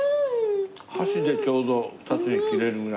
箸でちょうど２つに切れるぐらいの。